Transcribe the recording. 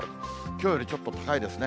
きょうよりちょっと高いですね。